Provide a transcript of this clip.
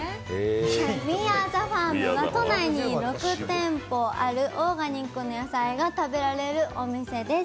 ＷＥＡＲＥＴＨＥＦＡＲＭは都内に６店舗あるオーガニックの野菜が食べられるお店です。